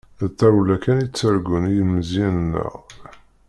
D tarewla kan i ttargun yilemẓiyen-nneɣ.